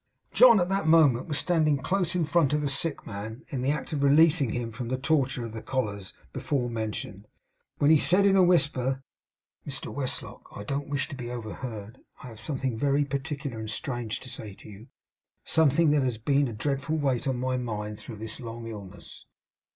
John at that moment was standing close in front of the sick man, in the act of releasing him from the torture of the collars before mentioned, when he said in a whisper: 'Mr Westlock! I don't wish to be overheard. I have something very particular and strange to say to you; something that has been a dreadful weight on my mind, through this long illness.